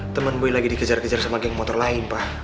temen gue lagi dikejar kejar sama geng motor lain pak